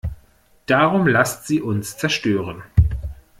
Darum lasst sie uns zerstören!